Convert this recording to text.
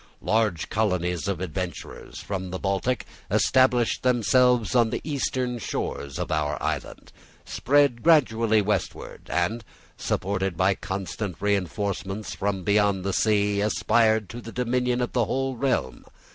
Large colonies of adventurers from the Baltic established themselves on the eastern shores of our island, spread gradually westward, and, supported by constant reinforcements from beyond the sea, aspired to the dominion of the whole realm.